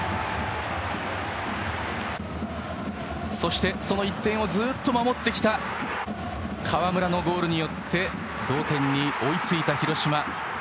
そして、その１点をずっと守ってきましたが川村のゴールによって同点に追いついた広島。